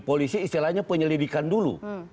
polisi istilahnya penyelidikan dulu